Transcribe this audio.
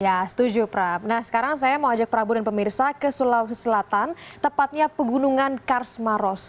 ya setuju prap nah sekarang saya mau ajak prabu dan pemirsa ke sulawesi selatan tepatnya pegunungan karsmaros